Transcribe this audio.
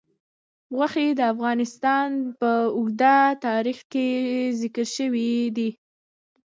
غوښې د افغانستان په اوږده تاریخ کې ذکر شوی دی.